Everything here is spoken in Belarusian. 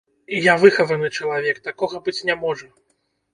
Я выхаваны чалавек, такога быць не можа.